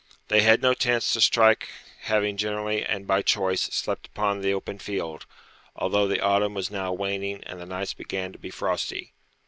They had no tents to strike having generally, and by choice, slept upon the open field, although the autumn was now waning and the nights began to be frosty.